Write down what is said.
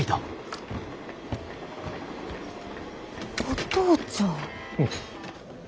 お父ちゃん。